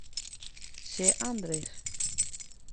Che Andrés.